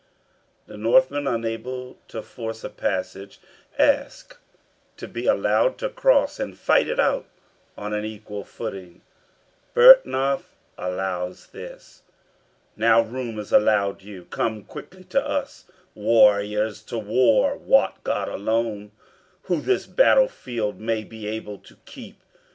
[The Northmen, unable to force a passage, ask to be allowed to cross and fight it out on an equal footing. Byrhtnoth allows this.] "Now room is allowed you, come quickly to us, Warriors to war; wot God alone Who this battle field may be able to keep."